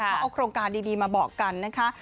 เขาเอาโครงการดีมาบอกกันนะคะ